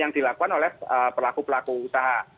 yang dilakukan oleh pelaku pelaku usaha